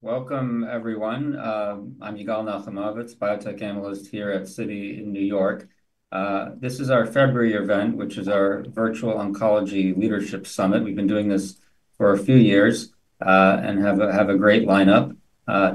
Welcome everyone. I'm Yigal Nochomovitz, Biotech Analyst here at Citi in New York. This is our February event, which is our Virtual Oncology Leadership Summit. We've been doing this for a few years, and have a great lineup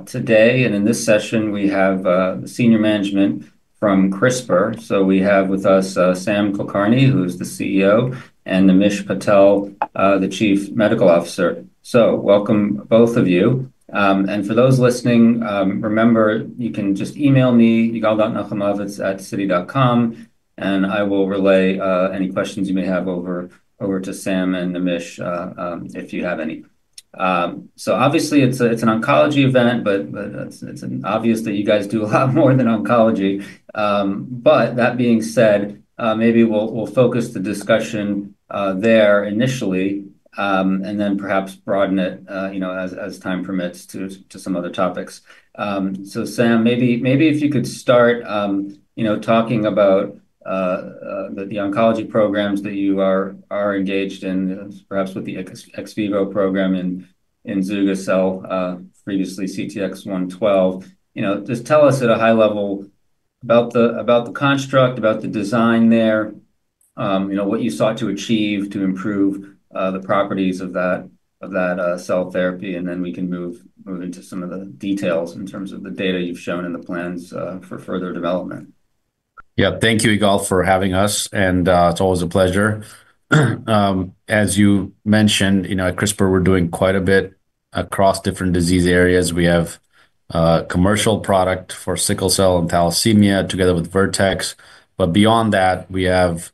today, and in this session, we have senior management from CRISPR. So we have with us Sam Kulkarni, who's the CEO, and Naimish Patel, the Chief Medical Officer. So welcome, both of you. And for those listening, remember, you can just email me, yigal.nochomovitz@citi.com, and I will relay any questions you may have over to Sam and Naimish if you have any. So obviously, it's an oncology event, but it's obvious that you guys do a lot more than oncology. But that being said, maybe we'll focus the discussion there initially, and then perhaps broaden it, you know, as time permits to some other topics. So Sam, maybe if you could start, you know, talking about the oncology programs that you are engaged in, perhaps with the ex vivo program in zugo-cel, previously CTX112. You know, just tell us at a high level about the construct, about the design there, you know, what you sought to achieve to improve the properties of that cell therapy, and then we can move into some of the details in terms of the data you've shown and the plans for further development. Yeah. Thank you, Yigal, for having us, and it's always a pleasure. As you mentioned, you know, at CRISPR, we're doing quite a bit across different disease areas. We have commercial product for sickle cell and thalassemia, together with Vertex, but beyond that, we have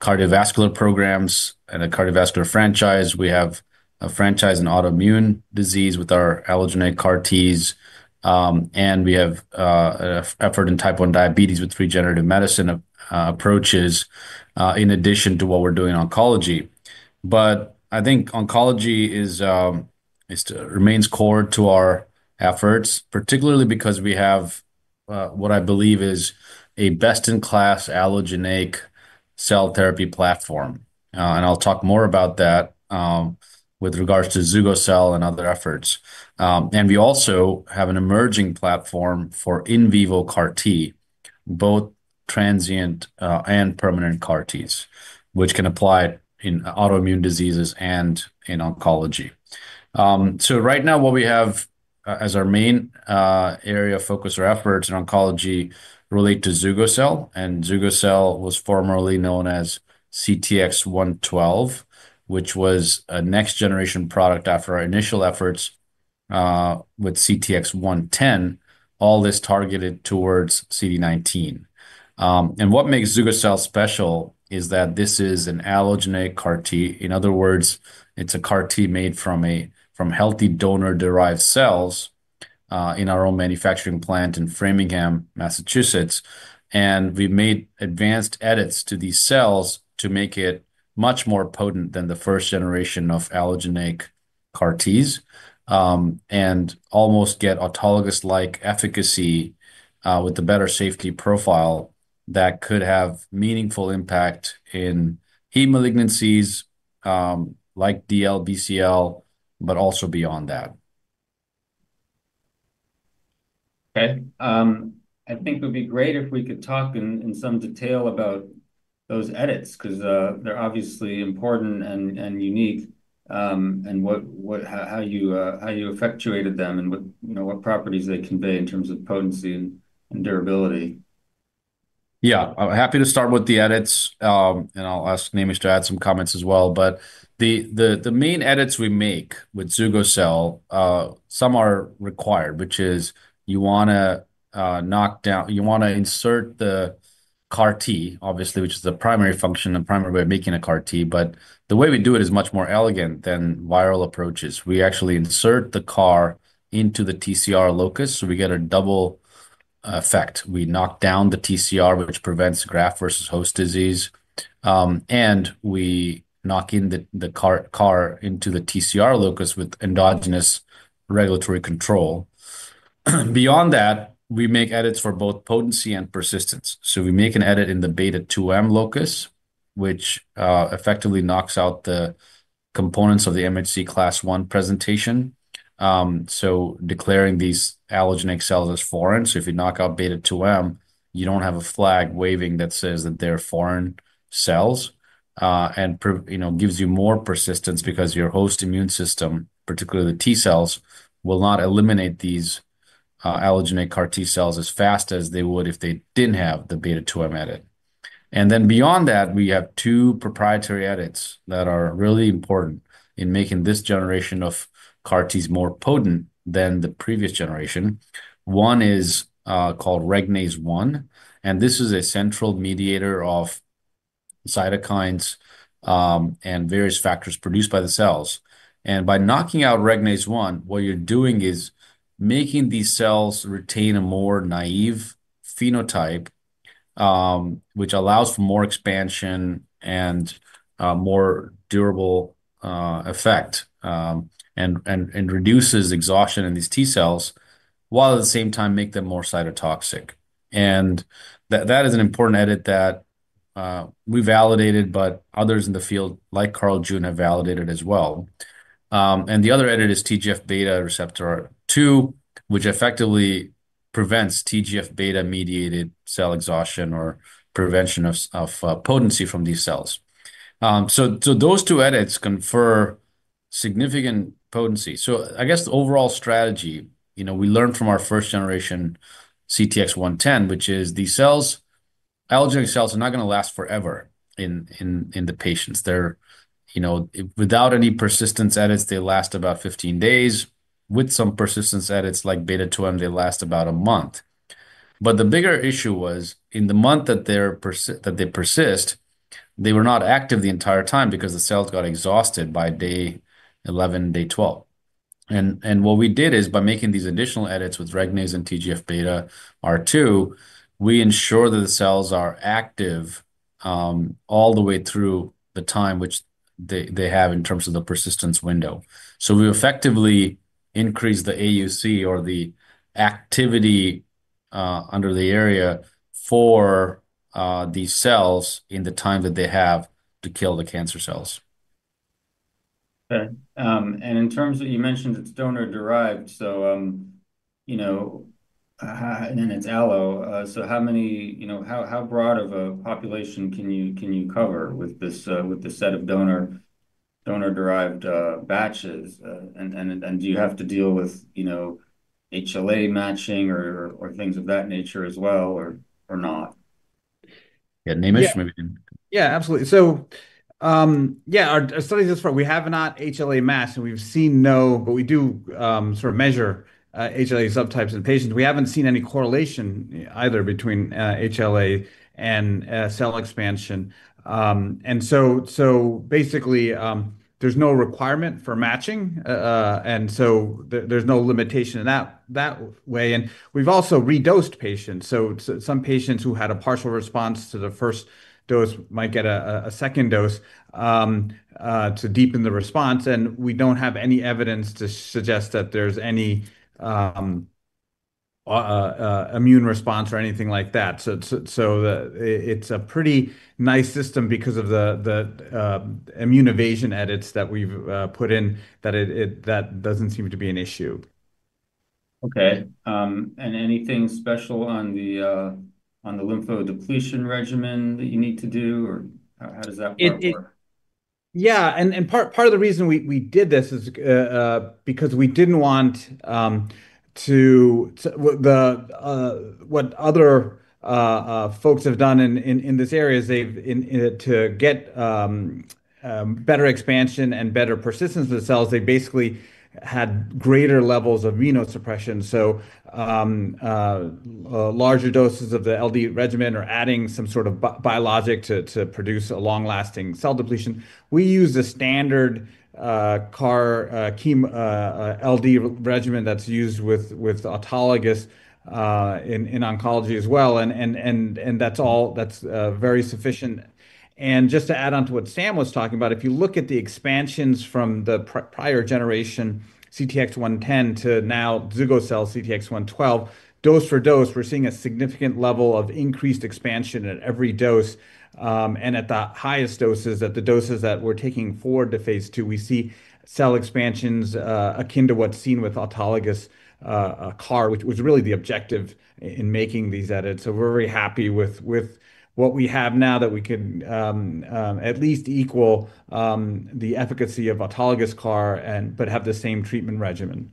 cardiovascular programs and a cardiovascular franchise. We have a franchise in autoimmune disease with our allogeneic CAR-Ts, and we have effort in Type 1 diabetes with regenerative medicine approaches, in addition to what we're doing in oncology. But I think oncology is still remains core to our efforts, particularly because we have what I believe is a best-in-class allogeneic cell therapy platform, and I'll talk more about that, with regards to zugo-cel and other efforts. And we also have an emerging platform for in vivo CAR-T, both transient and permanent CAR-Ts, which can apply in autoimmune diseases and in oncology. So right now, what we have as our main area of focus or efforts in oncology relate to zugo-cel, and zugo-cel was formerly known as CTX112, which was a next-generation product after our initial efforts with CTX110, all this targeted towards CD19. And what makes zugo-cel special is that this is an allogeneic CAR-T. In other words, it's a CAR-T made from healthy donor-derived cells, in our own manufacturing plant in Framingham, Massachusetts, and we've made advanced edits to these cells to make it much more potent than the first generation of allogeneic CAR-Ts, and almost get autologous-like efficacy, with a better safety profile that could have meaningful impact in heme malignancies, like DLBCL, but also beyond that. Okay. I think it would be great if we could talk in some detail about those edits 'cause they're obviously important and unique, and how you effectuated them and what, you know, what properties they convey in terms of potency and durability. Yeah. I'm happy to start with the edits, and I'll ask Naimish to add some comments as well, but the main edits we make with zugo-cel, some are required, which is you want to knock down. You wanna insert the CAR-T, obviously, which is the primary function, the primary way of making a CAR-T, but the way we do it is much more elegant than viral approaches. We actually insert the CAR into the TCR locus, so we get a double effect. We knock down the TCR, which prevents graft versus host disease, and we knock in the CAR into the TCR locus with endogenous regulatory control. Beyond that, we make edits for both potency and persistence, so we make an edit in the beta-2M locus, which effectively knocks out the components of the MHC Class I presentation. So declaring these allogeneic cells as foreign, so if you knock out beta-2M, you don't have a flag waving that says that they're foreign cells, and you know, gives you more persistence because your host immune system, particularly the T-cells, will not eliminate these, allogeneic CAR-T-cells as fast as they would if they didn't have the beta-2M edit. And then, beyond that, we have two proprietary edits that are really important in making this generation of CAR-Ts more potent than the previous generation. One is called Regnase-1, and this is a central mediator of cytokines, and various factors produced by the cells, and by knocking out Regnase-1, what you're doing is making these cells retain a more naive phenotype, which allows for more expansion and more durable effect, and reduces exhaustion in these T-cells, while at the same time, make them more cytotoxic. And that is an important edit that we validated, but others in the field, like Carl June, have validated as well. And the other edit is TGF-beta receptor 2, which effectively prevents TGF-beta-mediated cell exhaustion or prevention of potency from these cells. So those two edits confer significant potency. So I guess the overall strategy, you know, we learned from our first generation CTX110, which is these cells, allogeneic cells are not going to last forever in the patients. They're, you know, without any persistence edits, they last about 15 days. With some persistence edits, like beta two, they last about a month. But the bigger issue was, in the month that they persist, they were not active the entire time because the cells got exhausted by day 11, day 12. And what we did is, by making these additional edits with Regnase and TGF-beta R2, we ensure that the cells are active all the way through the time which they have in terms of the persistence window. So we effectively increase the AUC or the activity under the area for these cells in the time that they have to kill the cancer cells. Okay. And in terms of—you mentioned it's donor-derived, so, you know, and it's allo, so how—you know, how broad of a population can you, can you cover with this, with this set of donor, donor-derived, batches? And do you have to deal with, you know, HLA matching or, or things of that nature as well, or not? Yeah, Naimish maybe- Yeah, absolutely. So, yeah, our studies thus far, we have not HLA matched, and we've seen no... But we do, sort of measure, HLA subtypes in patients. We haven't seen any correlation either between, HLA and, cell expansion. And so, so basically, there's no requirement for matching, and so there, there's no limitation in that, that way. And we've also redosed patients. So some patients who had a partial response to the first dose might get a second dose, to deepen the response, and we don't have any evidence to suggest that there's any, immune response or anything like that. So, it's a pretty nice system because of the, the, immune evasion edits that we've, put in, that it, that doesn't seem to be an issue. Okay. And anything special on the lymphodepletion regimen that you need to do, or how does that part work? Yeah, and part of the reason we did this is because we didn't want to—the, what other folks have done in this area is they've, to get better expansion and better persistence of the cells, they basically had greater levels of immunosuppression. Larger doses of the LD regimen or adding some sort of biologic to produce a long-lasting cell depletion. We use the standard CAR chem LD regimen that's used with autologous in oncology as well. And that's all—that's very sufficient. And just to add on to what Sam was talking about, if you look at the expansions from the prior generation, CTX110, to now zugo-cel's CTX112, dose for dose, we're seeing a significant level of increased expansion at every dose. And at the highest doses, at the doses that we're taking forward to phase II, we see cell expansions akin to what's seen with autologous CAR, which was really the objective in making these edits. So we're very happy with what we have now, that we can at least equal the efficacy of autologous CAR but have the same treatment regimen.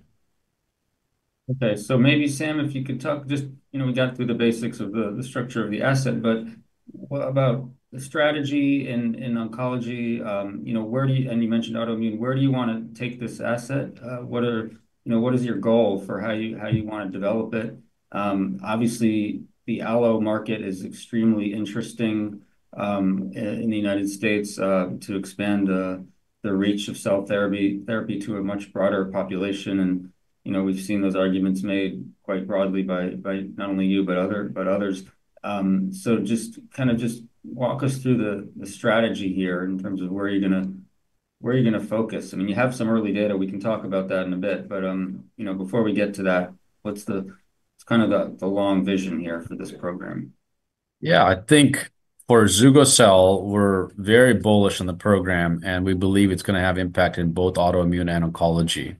Okay. So maybe, Sam, if you could talk just— You know, we got through the basics of the structure of the asset, but what about the strategy in oncology? You know, where do you— and you mentioned autoimmune, where do you want to take this asset? What are you know, what is your goal for how you want to develop it? Obviously, the allo market is extremely interesting in the United States to expand the reach of cell therapy to a much broader population. And, you know, we've seen those arguments made quite broadly by not only you, but others. So just kind of just walk us through the strategy here in terms of where are you going to focus? I mean, you have some early data. We can talk about that in a bit, but you know, before we get to that, what's the long vision here for this program? Yeah. I think for zugo-cel, we're very bullish on the program, and we believe it's going to have impact in both autoimmune and oncology.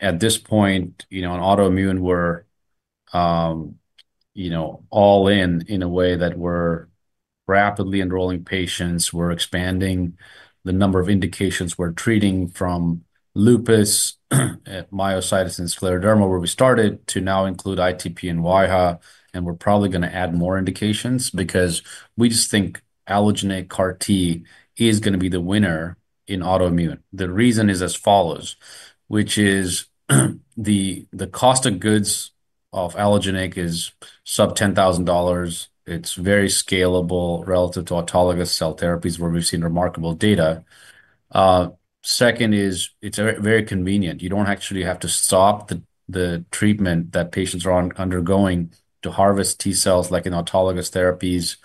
At this point, you know, in autoimmune, we're, you know, all in, in a way that we're rapidly enrolling patients, we're expanding the number of indications we're treating from lupus, myositis, and scleroderma, where we started to now include ITP and WAIHA, and we're probably going to add more indications because we just think allogeneic CAR-T is going to be the winner in autoimmune. The reason is as follows, which is, the cost of goods of allogeneic is sub $10,000. It's very scalable relative to autologous cell therapies, where we've seen remarkable data. Second is it's very convenient. You don't actually have to stop the treatment that patients are on undergoing to harvest T-cells, like in autologous therapies,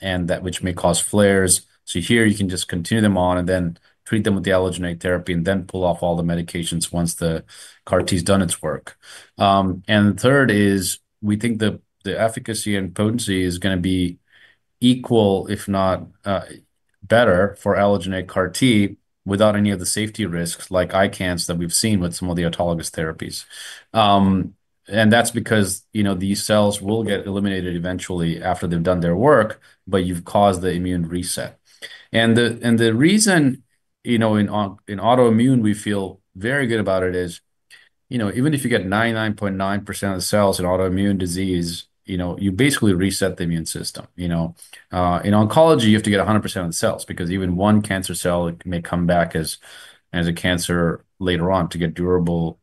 and that which may cause flares. So here, you can just continue them on and then treat them with the allogeneic therapy, and then pull off all the medications once the CAR-T's done its work. And the third is, we think the efficacy and potency is going to be equal, if not better for allogeneic CAR-T without any of the safety risks, like ICANS, that we've seen with some of the autologous therapies. And that's because, you know, these cells will get eliminated eventually after they've done their work, but you've caused the immune reset. And the reason, you know, in autoimmune, we feel very good about it is, you know, even if you get 99.9% of the cells in autoimmune disease, you know, you basically reset the immune system, you know? In oncology, you have to get 100% of the cells, because even one cancer cell may come back as a cancer later on to get durable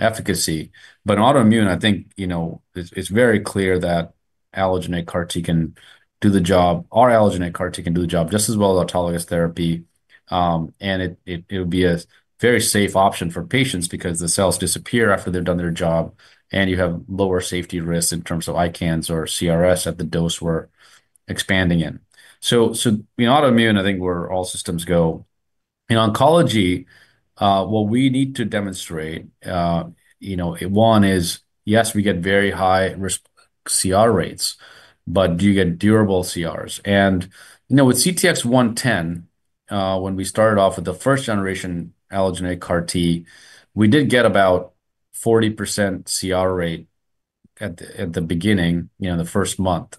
efficacy. But in autoimmune, I think, you know, it's very clear that allogeneic CAR-T can do the job, or allogeneic CAR-T can do the job just as well as autologous therapy. And it would be a very safe option for patients because the cells disappear after they've done their job, and you have lower safety risks in terms of ICANS or CRS at the dose we're expanding in. So in autoimmune, I think we're all systems go. In oncology, what we need to demonstrate, you know, one is, yes, we get very high CR rates, but do you get durable CRs? And, you know, with CTX110, when we started off with the first-generation allogeneic CAR-T, we did get about 40% CR rate at the beginning, you know, in the first month.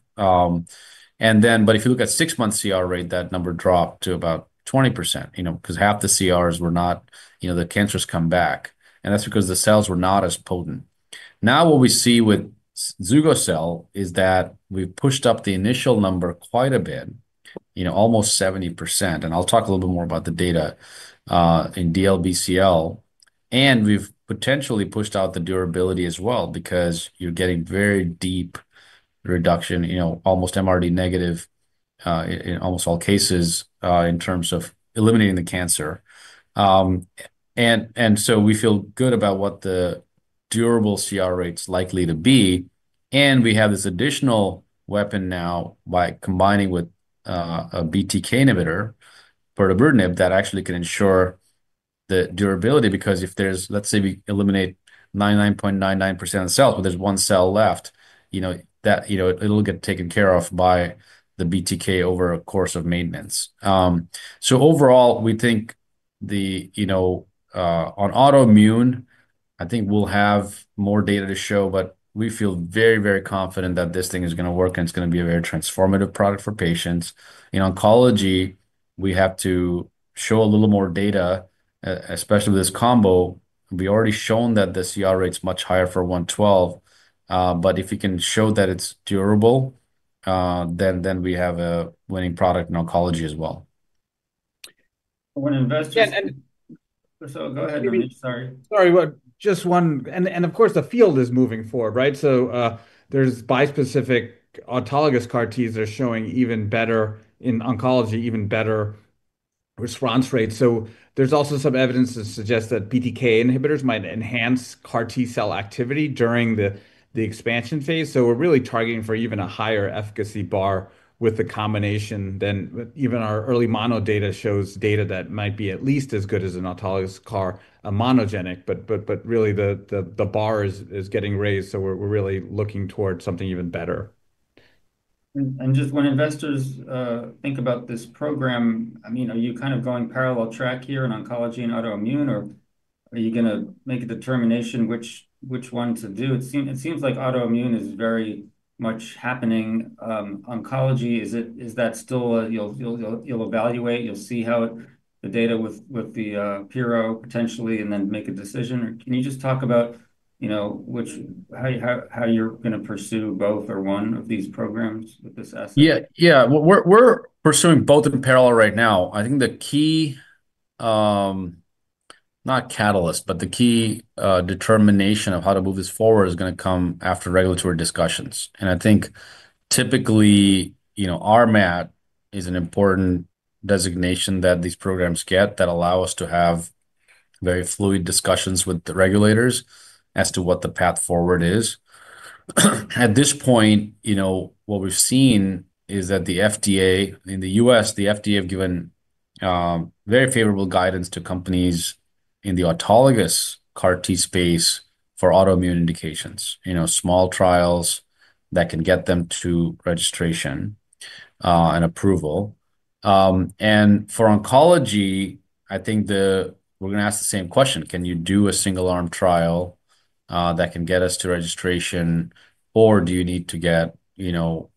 And then, but if you look at six-month CR rate, that number dropped to about 20%, you know, 'cause half the CRs were not... You know, the cancer's come back, and that's because the cells were not as potent. Now, what we see with zugo-cel is that we've pushed up the initial number quite a bit, you know, almost 70%, and I'll talk a little bit more about the data in DLBCL. And we've potentially pushed out the durability as well, because you're getting very deep reduction, you know, almost MRD negative, in almost all cases, in terms of eliminating the cancer. And so we feel good about what the durable CR rate's likely to be, and we have this additional weapon now by combining with a BTK inhibitor, pirtobrutinib, that actually can ensure the durability. Because if there's, let's say we eliminate 99.99% of the cells, but there's one cell left, you know, that, you know, it'll get taken care of by the BTK over a course of maintenance. So overall, we think the, you know... On autoimmune, I think we'll have more data to show, but we feel very, very confident that this thing is gonna work, and it's gonna be a very transformative product for patients. In oncology, we have to show a little more data, especially with this combo. We've already shown that the CR rate's much higher for 112, but if we can show that it's durable, then, then we have a winning product in oncology as well. When investors- Yeah, and- So go ahead, Amit. Sorry. Sorry, but just one. And, of course, the field is moving forward, right? So, there's bispecific autologous CAR-Ts showing even better, in oncology, even better response rates. So there's also some evidence to suggest that BTK inhibitors might enhance CAR-T cell activity during the expansion phase. So we're really targeting for even a higher efficacy bar with the combination than... Even our early mono data shows data that might be at least as good as an autologous CAR, a monogenic, but really the bar is getting raised, so we're really looking towards something even better. Just when investors think about this program, I mean, are you kind of going parallel track here in oncology and autoimmune, or are you gonna make a determination which one to do? It seems like autoimmune is very much happening. Oncology, is that still you'll evaluate, you'll see how it... the data with the pirto potentially, and then make a decision? Or can you just talk about, you know, how you're gonna pursue both or one of these programs with this asset? Yeah, yeah. Well, we're pursuing both in parallel right now. I think the key, not catalyst, but the key determination of how to move this forward is gonna come after regulatory discussions. And I think, typically, you know, RMAT is an important designation that these programs get that allow us to have very fluid discussions with the regulators as to what the path forward is. At this point, you know, what we've seen is that the FDA, in the U.S., the FDA have given very favorable guidance to companies in the autologous CAR-T space for autoimmune indications. You know, small trials that can get them to registration and approval. And for oncology, I think we're gonna ask the same question: Can you do a single-arm trial that can get us to registration, or do you need to get, you know,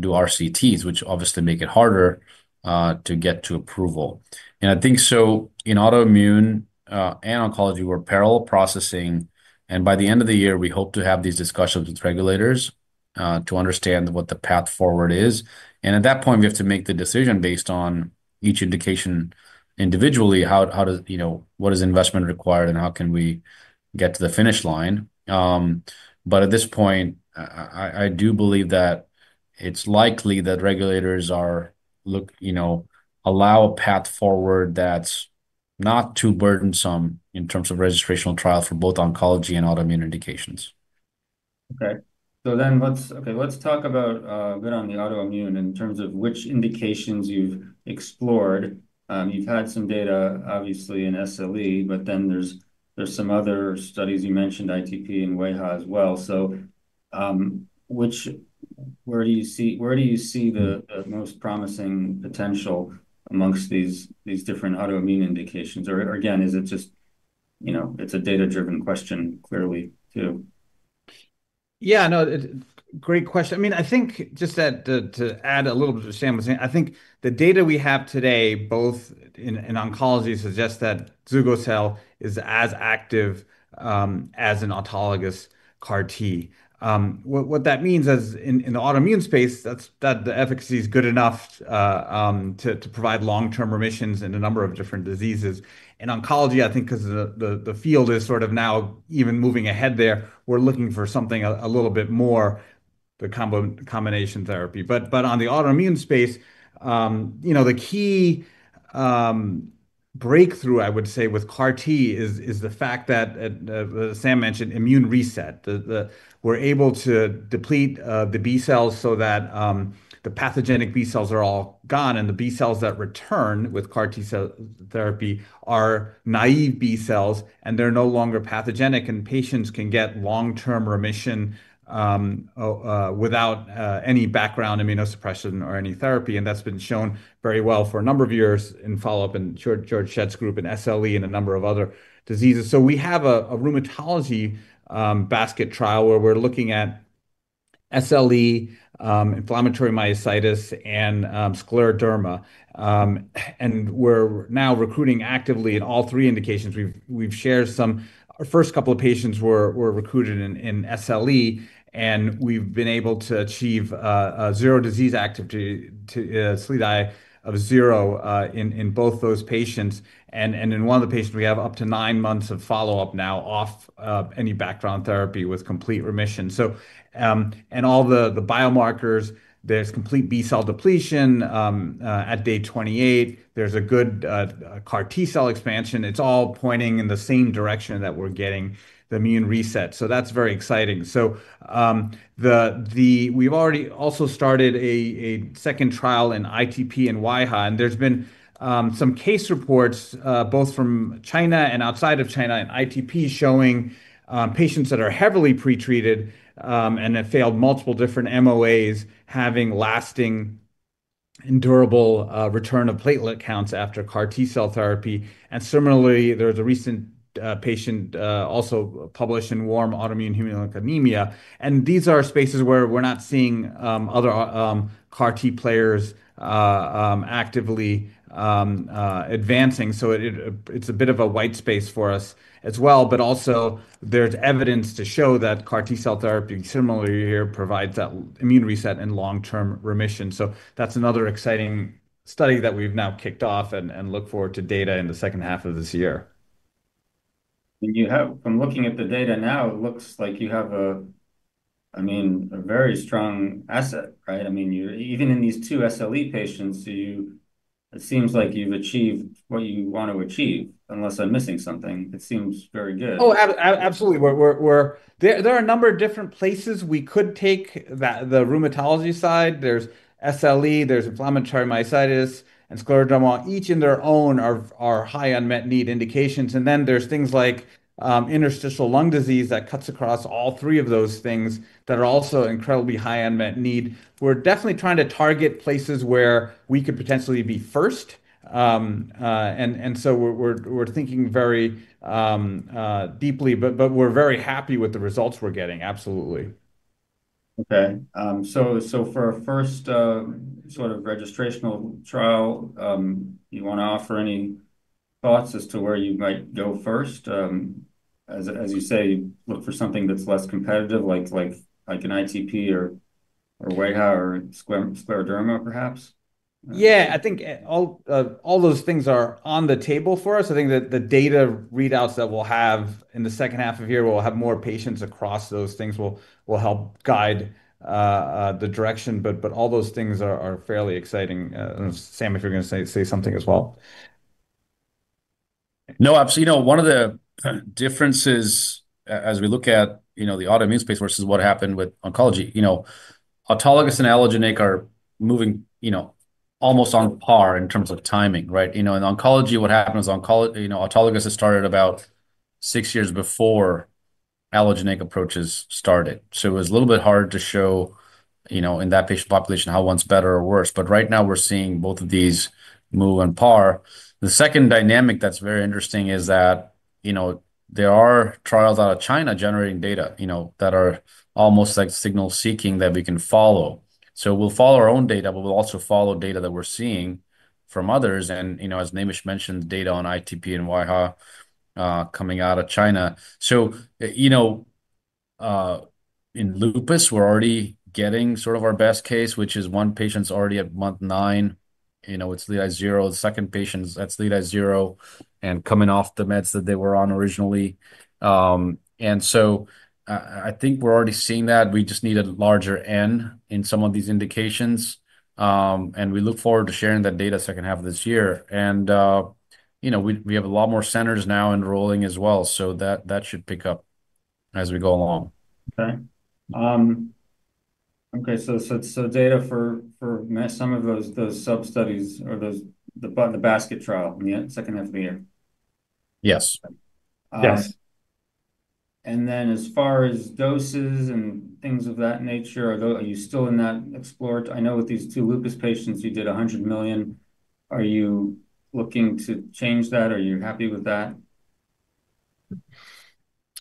do RCTs, which obviously make it harder to get to approval? And I think so, in autoimmune and oncology, we're parallel processing, and by the end of the year, we hope to have these discussions with regulators to understand what the path forward is. And at that point, we have to make the decision based on each indication individually, how does. You know, what is investment required, and how can we get to the finish line? But at this point, I do believe that it's likely that regulators are, you know, allow a path forward that's not too burdensome in terms of registrational trial for both oncology and autoimmune indications. Okay. So then let's talk about a bit on the autoimmune in terms of which indications you've explored. You've had some data, obviously, in SLE, but then there's some other studies. You mentioned ITP and WAIHA as well. Which, where do you see the most promising potential among these different autoimmune indications? Or again, is it just, you know, it's a data-driven question clearly, too? Yeah, no, great question. I mean, I think just to add a little bit to what Sam was saying, I think the data we have today, both in oncology, suggests that zugo-cel is as active as an autologous CAR T. What that means is in the autoimmune space, that the efficacy is good enough to provide long-term remissions in a number of different diseases. In oncology, I think 'cause the field is sort of now even moving ahead there, we're looking for something a little bit more the combination therapy. But on the autoimmune space, you know, the key breakthrough, I would say, with CAR-T is the fact that Sam mentioned immune reset. We're able to deplete the B cells so that the pathogenic B cells are all gone, and the B cells that return with CAR-T cell therapy are naive B cells, and they're no longer pathogenic, and patients can get long-term remission, without any background immunosuppression or any therapy. That's been shown very well for a number of years in follow-up, in Georg Schett's group in SLE and a number of other diseases. We have a rheumatology basket trial, where we're looking at SLE, inflammatory myositis, and scleroderma. We're now recruiting actively in all three indications. We've shared some... Our first couple of patients were recruited in SLE, and we've been able to achieve a zero disease activity, a SLEDAI of zero, in both those patients. In one of the patients, we have up to 9 months of follow-up now off any background therapy with complete remission. So, and all the biomarkers, there's complete B-cell depletion at day 28. There's a good CAR-T cell expansion. It's all pointing in the same direction that we're getting the immune reset, so that's very exciting. So, we've already also started a second trial in ITP and WAIHA, and there's been some case reports, both from China and outside of China, in ITP, showing patients that are heavily pretreated and have failed multiple different MOAs, having lasting and durable return of platelet counts after CAR-T cell therapy. Similarly, there was a recent patient also published in Warm Autoimmune Hemolytic Anemia, and these are spaces where we're not seeing other CAR-T players actively advancing. So it, it's a bit of a white space for us as well. But also, there's evidence to show that CAR-T-cell therapy, similarly here, provides that immune reset and long-term remission. So that's another exciting study that we've now kicked off and look forward to data in the second half of this year. From looking at the data now, it looks like you have a, I mean, a very strong asset, right? I mean, even in these two SLE patients, it seems like you've achieved what you want to achieve, unless I'm missing something. It seems very good. Oh, absolutely. We're there. There are a number of different places we could take the rheumatology side. There's SLE, there's inflammatory myositis, and scleroderma, each in their own are high unmet need indications. And then there's things like interstitial lung disease that cuts across all three of those things that are also incredibly high unmet need. We're definitely trying to target places where we could potentially be first. And so we're thinking very deeply, but we're very happy with the results we're getting. Absolutely. Okay. So for a first sort of registrational trial, you want to offer any thoughts as to where you might go first? As you say, look for something that's less competitive, like, like an ITP or WAIHA or scleroderma, perhaps? Yeah, I think all those things are on the table for us. I think that the data readouts that we'll have in the second half of the year, we'll have more patients across those things, will help guide the direction, but all those things are fairly exciting. And Sam, if you're going to say something as well. No, absolutely. You know, one of the differences as we look at, you know, the autoimmune space versus what happened with oncology, you know, autologous and allogeneic are moving, you know, almost on par in terms of timing, right? You know, in oncology, what happened is oncology you know, autologous has started about six years before allogeneic approaches started. So it was a little bit hard to show, you know, in that patient population, how one's better or worse. But right now, we're seeing both of these move on par. The second dynamic that's very interesting is that, you know, there are trials out of China generating data, you know, that are almost like signal-seeking, that we can follow. So we'll follow our own data, but we'll also follow data that we're seeing from others. And, you know, as Naimish mentioned, data on ITP and WAIHA coming out of China. So, you know, in Lupus, we're already getting sort of our best case, which is one patient's already at month nine, you know, it's SLEDAI zero. The second patient, that's SLEDAI zero and coming off the meds that they were on originally. And so, I think we're already seeing that. We just need a larger N in some of these indications, and we look forward to sharing that data second half of this year. And, you know, we have a lot more centers now enrolling as well, so that should pick up as we go along. Okay. Okay, so data for me, some of those sub-studies or the basket trial in the second FDA? Yes. Yes. And then as far as doses and things of that nature, are you still in that exploratory? I know with these two lupus patients, you did 100 million. Are you looking to change that? Are you happy with that?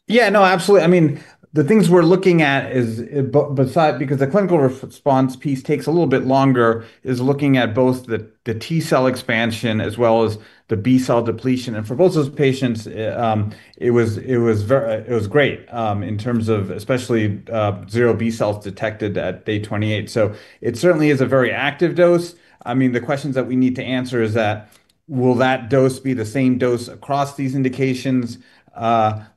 Yeah, no, absolutely. I mean, the things we're looking at is, but beside, because the clinical response piece takes a little bit longer, is looking at both the, the T cell expansion as well as the B cell depletion. And for both those patients, it was great, in terms of especially, zero B cells detected at day 28. So it certainly is a very active dose. I mean, the questions that we need to answer is that will that dose be the same dose across these indications,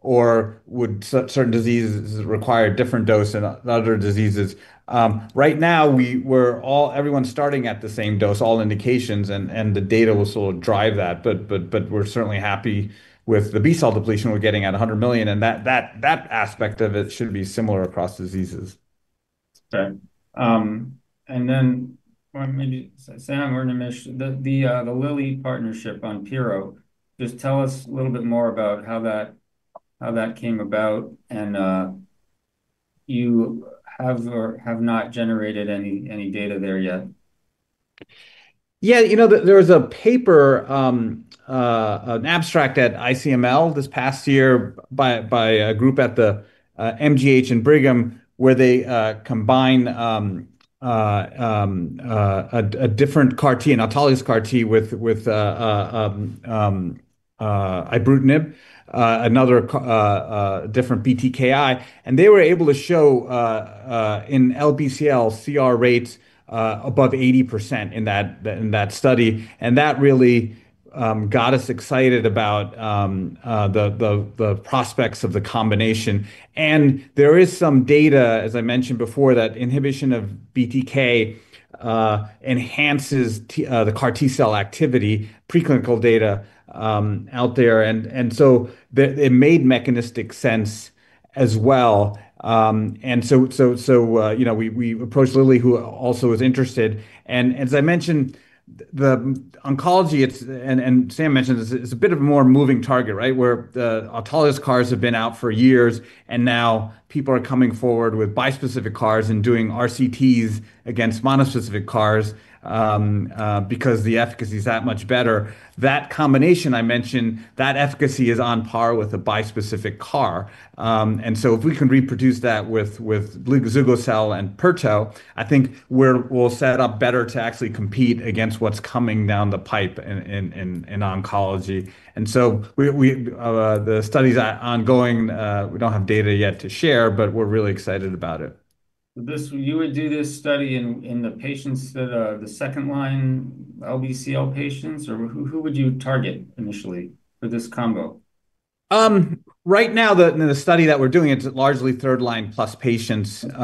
or would certain diseases require a different dose than other diseases? Right now, we're all starting at the same dose, all indications, and the data will sort of drive that, but we're certainly happy with the B-cell depletion we're getting at 100 million, and that aspect of it should be similar across diseases. Okay. And then maybe Sam or Naimish, the Lilly partnership on pirto, just tell us a little bit more about how that came about, and you have or have not generated any data there yet? Yeah, you know, there was a paper, an abstract at ICML this past year by a group at the MGH and Brigham, where they combined a different CAR-T, an autologous CAR-T with ibrutinib, another different BTKi, and they were able to show, in LBCL, CR rates above 80% in that study, and that really got us excited about the prospects of the combination. There is some data, as I mentioned before, that inhibition of BTK enhances the CAR-T cell activity, preclinical data out there, and it made mechanistic sense as well. And so, you know, we approached Lilly, who also was interested, and as I mentioned, the oncology, it's, and Sam mentioned this, it's a bit of a more moving target, right? Where the autologous CARs have been out for years, and now people are coming forward with bispecific CARs and doing RCTs against monospecific CARs, because the efficacy is that much better. That combination I mentioned, that efficacy is on par with a bispecific CAR. And so if we can reproduce that with zugo-cel and pirtobrutinib, I think we'll set up better to actually compete against what's coming down the pipe in oncology. And so the study's ongoing. We don't have data yet to share, but we're really excited about it. This, you would do this study in the patients that are the second-line LBCL patients, or who would you target initially for this combo? Right now, the study that we're doing, it's largely third line plus patients that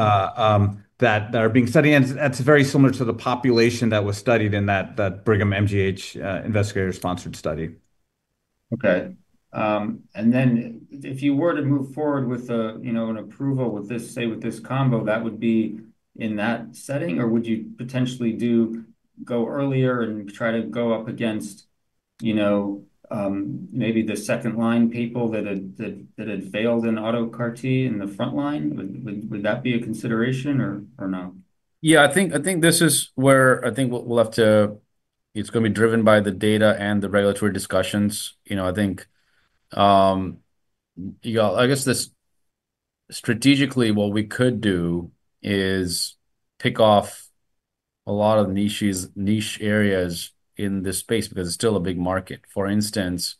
are being studied, and it's very similar to the population that was studied in that Brigham MGH investigator-sponsored study. Okay. And then if you were to move forward with a, you know, an approval with this, say, with this combo, that would be in that setting, or would you potentially go earlier and try to go up against, you know, maybe the second-line people that had failed in auto CAR-T in the front line? Would that be a consideration or no? Yeah, I think, I think this is where I think we'll, we'll have to... It's gonna be driven by the data and the regulatory discussions. You know, I think, yeah, I guess this, strategically, what we could do is pick off a lot of niches, niche areas in this space because it's still a big market. For instance,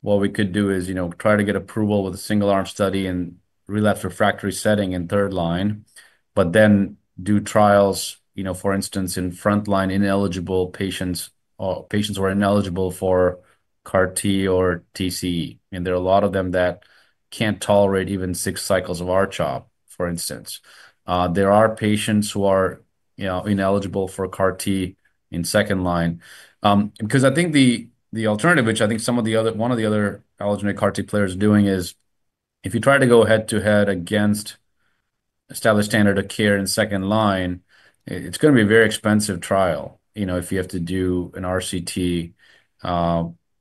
what we could do is, you know, try to get approval with a single-arm study in relapsed refractory setting in third line, but then do trials, you know, for instance, in front-line ineligible patients or patients who are ineligible for CAR-T or TCE, and there are a lot of them that can't tolerate even six cycles of R-CHOP, for instance. There are patients who are, you know, ineligible for CAR-T in second line. Because I think the alternative, which I think one of the other allogeneic CAR-T players are doing, is if you try to go head to head against established standard of care in second line, it's gonna be a very expensive trial, you know, if you have to do an RCT,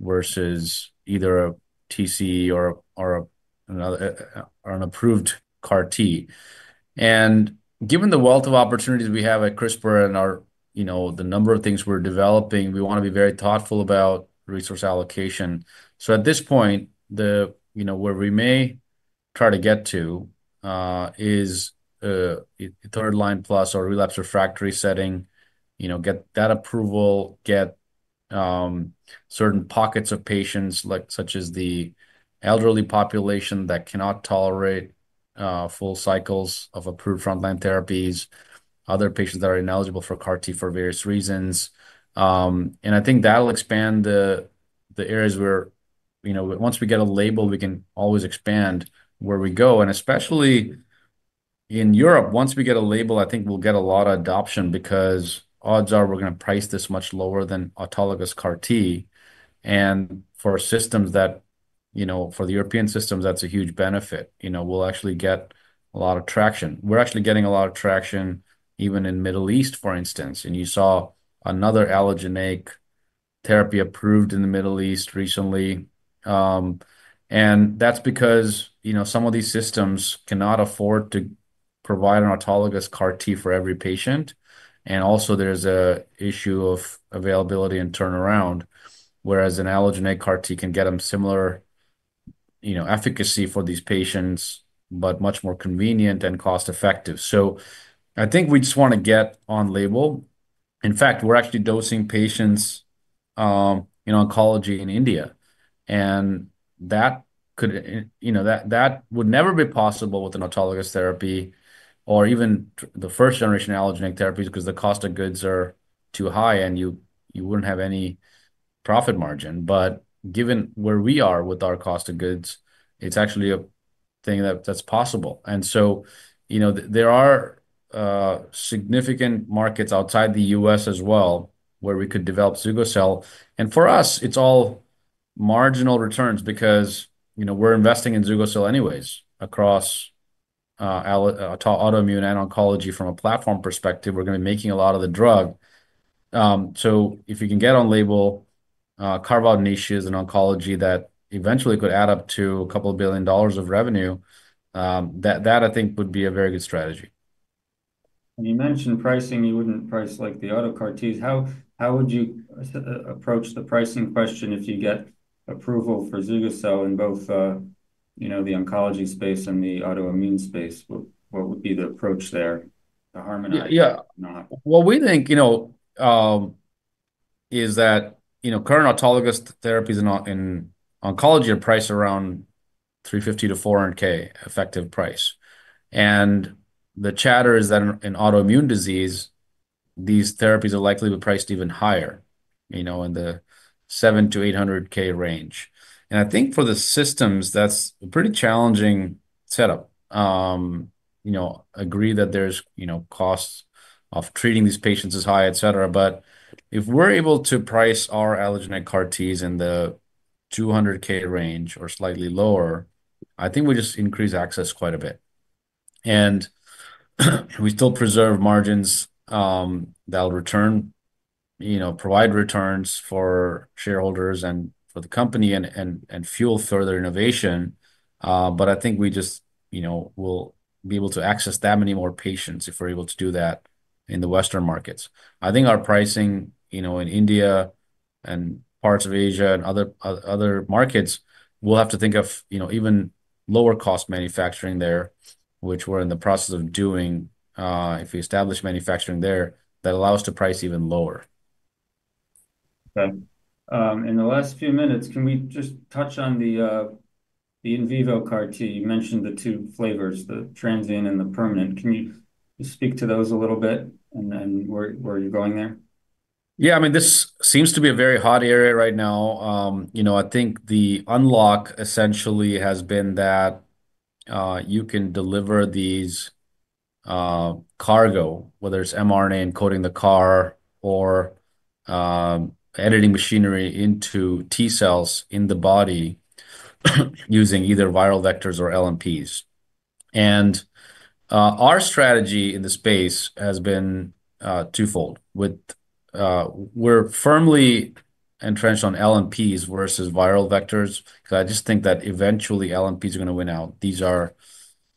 versus either a TCE or another or an approved CAR T. And given the wealth of opportunities we have at CRISPR and our, you know, the number of things we're developing, we want to be very thoughtful about resource allocation. So at this point, the, you know, where we may try to get to is third-line plus or relapsed refractory setting, you know, get that approval, get certain pockets of patients like such as the elderly population that cannot tolerate full cycles of approved frontline therapies, other patients that are ineligible for CAR-T for various reasons. And I think that'll expand the, the areas where, you know, once we get a label, we can always expand where we go, and especially in Europe, once we get a label, I think we'll get a lot of adoption because odds are we're gonna price this much lower than autologous CAR T. And for systems that-... you know, for the European systems, that's a huge benefit. You know, we'll actually get a lot of traction. We're actually getting a lot of traction even in the Middle East, for instance, and you saw another allogeneic therapy approved in the Middle East recently. And that's because, you know, some of these systems cannot afford to provide an autologous CAR-T for every patient, and also, there's an issue of availability and turnaround, whereas an allogeneic CAR-T can get them similar, you know, efficacy for these patients, but much more convenient and cost-effective. So I think we just want to get on label. In fact, we're actually dosing patients in oncology in India, and that could, you know, that would never be possible with an autologous therapy or even the first-generation allogeneic therapies because the cost of goods are too high, and you wouldn't have any profit margin. But given where we are with our cost of goods, it's actually a thing that, that's possible. And so, you know, there are significant markets outside the U.S. as well, where we could develop zugo-cel, and for us, it's all marginal returns because, you know, we're investing in zugo-cel anyways across autoimmune and oncology from a platform perspective. We're going to be making a lot of the drug. So if you can get on label, carve out niches in oncology that eventually could add up to $2 billion of revenue, that, that I think would be a very good strategy. You mentioned pricing. You wouldn't price like the autologous CAR-Ts. How would you approach the pricing question if you get approval for zugo-cel in both, you know, the oncology space and the autoimmune space? What would be the approach there to harmonize- Yeah. -not? Well, we think, you know, is that, you know, current autologous therapies in oncology are priced around $350K-$400K effective price, and the chatter is that in autoimmune disease, these therapies are likely to be priced even higher, you know, in the $700K-$800K range. I think for the systems, that's a pretty challenging setup. You know, agree that there's, you know, costs of treating these patients is high, et cetera, but if we're able to price our allogeneic CAR-Ts in the $200K range or slightly lower, I think we just increase access quite a bit. We still preserve margins, that will return-- you know, provide returns for shareholders and for the company and, and, and fuel further innovation. But I think we just, you know, we'll be able to access that many more patients if we're able to do that in the Western markets. I think our pricing, you know, in India and parts of Asia and other, other markets, we'll have to think of, you know, even lower-cost manufacturing there, which we're in the process of doing, if we establish manufacturing there, that allow us to price even lower. Okay. In the last few minutes, can we just touch on the in vivo CAR-T? You mentioned the two flavors, the transient and the permanent. Can you speak to those a little bit, and then where you're going there? Yeah. I mean, this seems to be a very hot area right now. You know, I think the unlock essentially has been that, you can deliver these, cargo, whether it's mRNA encoding the CAR or, editing machinery into T-cells in the body, using either viral vectors or LNPs. And, our strategy in the space has been, twofold. With... We're firmly entrenched on LNPs versus viral vectors, because I just think that eventually, LNPs are going to win out. These are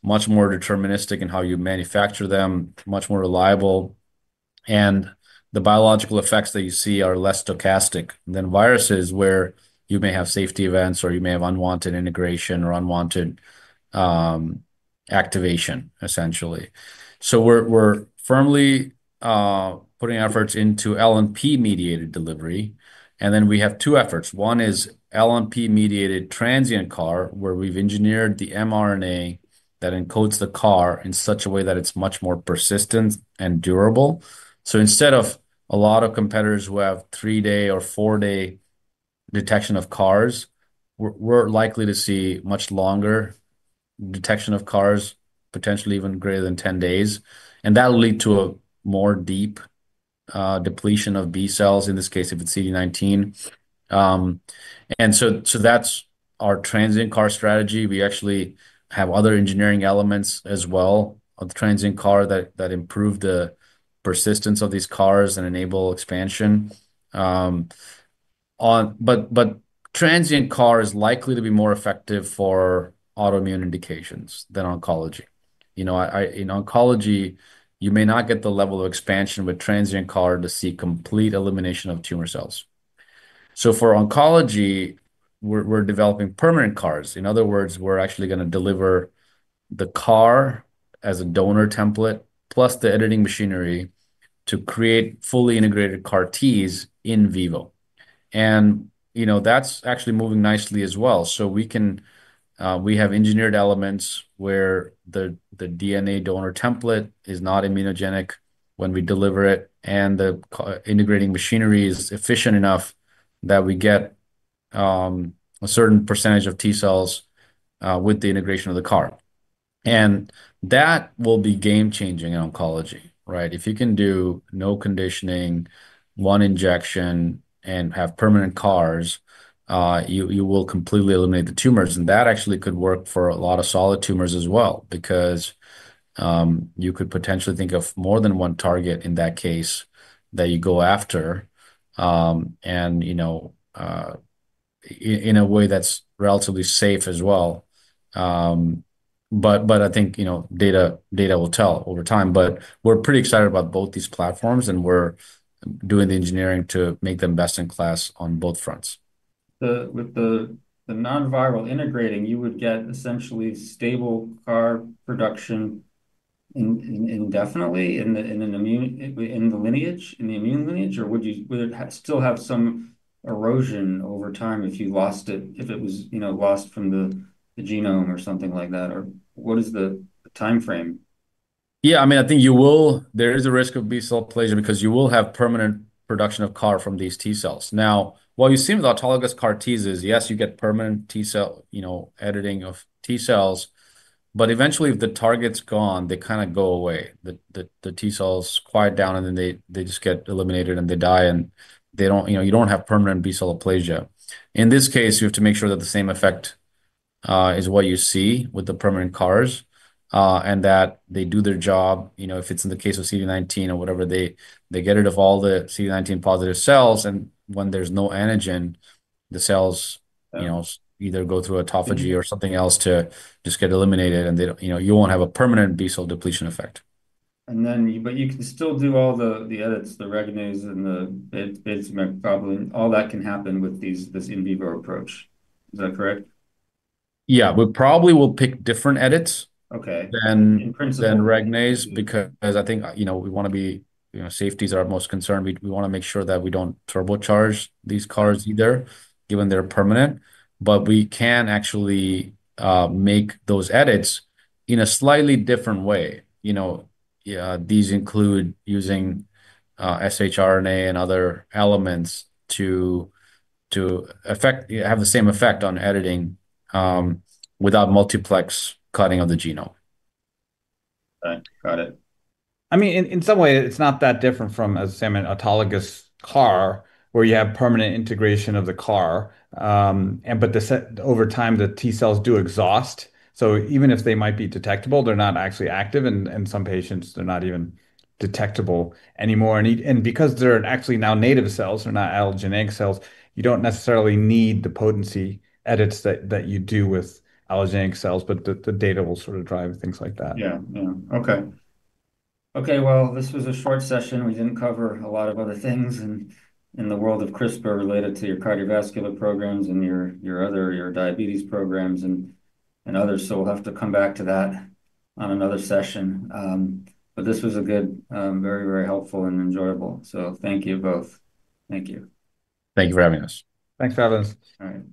much more deterministic in how you manufacture them, much more reliable, and the biological effects that you see are less stochastic than viruses, where you may have safety events, or you may have unwanted integration or unwanted, activation, essentially. So we're, we're firmly, putting efforts into LNP-mediated delivery, and then we have two efforts. One is LNP-mediated transient CAR, where we've engineered the mRNA that encodes the CAR in such a way that it's much more persistent and durable. So instead of a lot of competitors who have 3-day or 4-day detection of CARs, we're likely to see much longer detection of CARs, potentially even greater than 10 days, and that'll lead to a more deep depletion of B cells, in this case, if it's CD19. And so that's our transient CAR strategy. We actually have other engineering elements as well of the transient CAR that improve the persistence of these CARs and enable expansion. But transient CAR is likely to be more effective for autoimmune indications than oncology. You know, in oncology, you may not get the level of expansion with transient CAR to see complete elimination of tumor cells. So for oncology, we're developing permanent CARs. In other words, we're actually going to deliver the CAR as a donor template, plus the editing machinery to create fully integrated CAR Ts in vivo, and, you know, that's actually moving nicely as well. So we can. We have engineered elements where the DNA donor template is not immunogenic when we deliver it, and the CAR integrating machinery is efficient enough that we get a certain percentage of T-cells with the integration of the CAR. And that will be game-changing in oncology, right? If you can do no conditioning, one injection, and have permanent CARs, you will completely eliminate the tumors, and that actually could work for a lot of solid tumors as well, because you could potentially think of more than one target in that case that you go after. You know, in a way that's relatively safe as well. I think, you know, data will tell over time, but we're pretty excited about both these platforms, and we're doing the engineering to make them best in class on both fronts. With the non-viral integrating, you would get essentially stable CAR production indefinitely in the immune lineage? Or would it still have some erosion over time if it was lost from the genome, you know, or something like that, or what is the timeframe? Yeah, I mean, I think you will. There is a risk of B-cell aplasia, because you will have permanent production of CAR from these T-cells. Now, what you see with autologous CAR Ts is, yes, you get permanent T-cell, you know, editing of T-cells, but eventually, if the target's gone, they kind of go away. The T-cells quiet down, and then they just get eliminated, and they die, and they don't, you know, you don't have permanent B-cell aplasia. In this case, you have to make sure that the same effect is what you see with the permanent CARs, and that they do their job. You know, if it's in the case of CD19 or whatever, they get rid of all the CD19 positive cells, and when there's no antigen, the cells- Yeah You know, either go through autophagy or something else to just get eliminated, and they don't, you know, you won't have a permanent B-cell depletion effect. But you can still do all the edits, the Regnase, and the base probably, all that can happen with this in vivo approach. Is that correct? Yeah. We probably will pick different edits- Okay Than Regnase, because I think, you know, we want to be. You know, safety is our most concern. We want to make sure that we don't turbocharge these CARs either, given they're permanent, but we can actually make those edits in a slightly different way. You know, these include using shRNA and other elements to have the same effect on editing, without multiplex cutting of the genome. Right. Got it. I mean, in some way, it's not that different from, as Sameer, autologous CAR, where you have permanent integration of the CAR. But over time, the T-cells do exhaust, so even if they might be detectable, they're not actually active, and some patients, they're not even detectable anymore. And because they're actually now native cells, they're not allogeneic cells, you don't necessarily need the potency edits that you do with allogeneic cells, but the data will sort of drive things like that. Yeah. Yeah. Okay. Okay, well, this was a short session. We didn't cover a lot of other things in the world of CRISPR related to your cardiovascular programs and your other diabetes programs and others, so we'll have to come back to that on another session. But this was a good, very, very helpful and enjoyable, so thank you both. Thank you. Thank you for having us. Thanks for having us. All right.